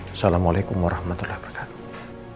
assalamualaikum warahmatullahi wabarakatuh